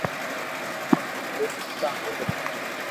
تمي ماري ماتا ھون